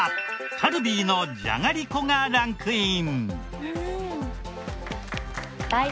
カルビーのじゃがりこがランクイン。